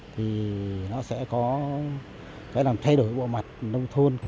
thì nó sẽ có cái làm thay đổi bộ mặt nông thôn